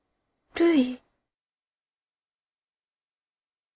るい。